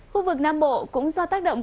khu vực nam bộ cũng do tác động